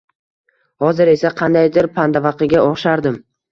Hozir esa, qandaydir pandavaqiga o`xshardim…